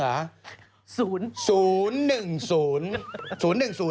ตัวผู้ฝ่ายห้างเหรอ